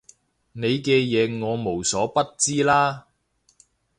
你嘅嘢我無所不知啦